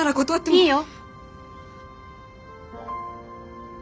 いいよ。